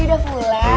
abi udah pulang